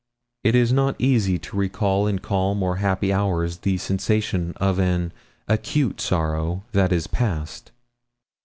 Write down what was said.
It is not easy to recall in calm and happy hours the sensations of an acute sorrow that is past.